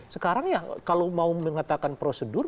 sekarang ya kalau mau mengatakan prosedur